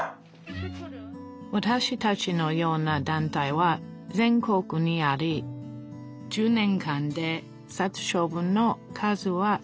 わたしたちのような団体は全国にあり１０年間で殺処分の数は８分の１になっています